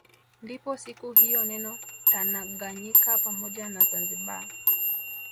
Ndipo siku hiyo neno Tanaganyika pamoja na Zanzibar